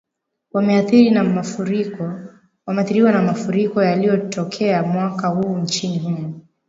wameathiriwa na mafuriko yaliyotokea mwaka huu nchini humo